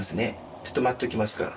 ちょっと待っておきますから。